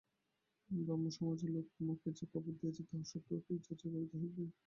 ব্রাহ্মসমাজের লোক তোমাকে যে খবর দিয়াছে তাহার সত্যও কি যাচাই করিতে হইবে!